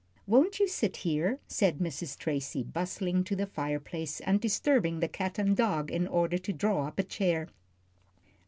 "Won't you sit here?" said Mrs. Tracy, bustling to the fireplace, and disturbing the cat and the dog in order to draw up a chair.